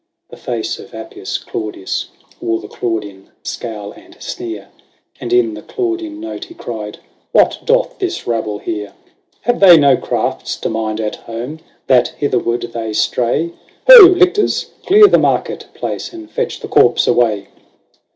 The face of Appius Claudius wore the Claudian scowl and sneer. And in the Claudian note he cried, " What doth this rabble here ? Have they no crafts to mind at home, that hitherward they stray ? Ho ! lictors, clear the market place, and fetch the corpse away